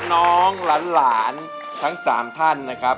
น้องหลานทั้ง๓ท่านนะครับ